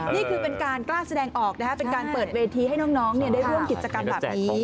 นี่คือเป็นการกล้าแสดงออกนะครับเป็นการเปิดเวทีให้น้องได้ร่วมกิจกรรมแบบนี้